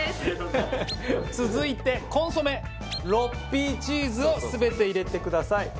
続いてコンソメ６Ｐチーズを全て入れてください。